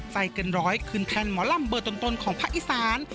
ใจเกินร้อยคืนแทนหมอลำเบอร์ต้นของภาคอีสาน